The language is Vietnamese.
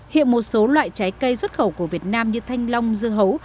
hiện một số loại trái cây xuất khẩu của việt nam như thanh long dưa hấu